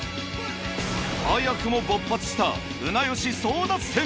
早くも勃発したうなよし争奪戦。